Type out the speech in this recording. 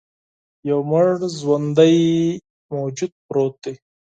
یو مړ ژواندی موجود پروت دی.